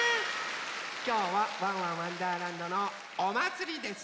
きょうは「ワンワンわんだーらんど」のおまつりです。